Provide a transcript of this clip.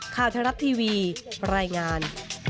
ข้าวทะลับทีวีรายงาน